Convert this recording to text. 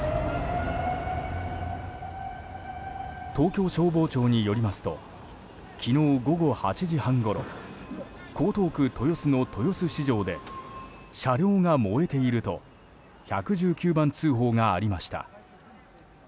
東京消防庁によりますと昨日午後８時半ごろ江東区豊洲の豊洲市場で車両が燃えていると１１９番通報がありました。